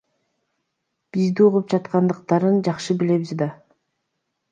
Бизди угуп жаткандыктарын жакшы билебиз да.